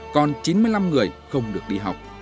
còn chín mươi năm người không được đi học